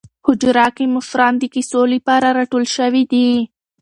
په حجره کې مشران د کیسو لپاره راټول شوي دي.